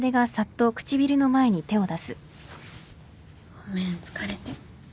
ごめん疲れて。